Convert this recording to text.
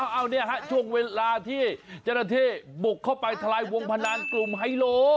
เอาเนี่ยฮะช่วงเวลาที่เจ้าหน้าที่บุกเข้าไปทลายวงพนันกลุ่มไฮโล